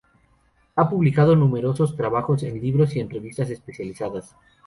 Ha publicado numerosos trabajos en libros y en revistas especializadas.